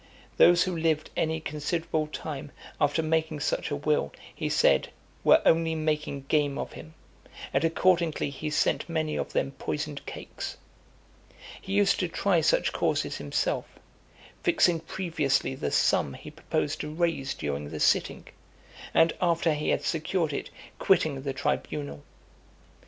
Those who lived any considerable time after making such a will, he said, were only making game of him; and accordingly he sent many of them poisoned cakes. He used to try such causes himself; fixing previously the sum he proposed to raise during the sitting, and, after he had secured it, quitting the tribunal.